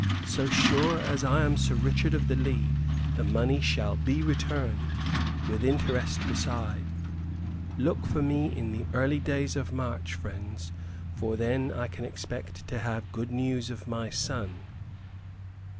"So sure as I am Sir Richard of the Lee, the money shall be returned, with interest beside. Look for me in the early days of March, friends, for then I expect to have good news of my son."